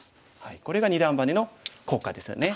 これが二段バネの効果ですよね。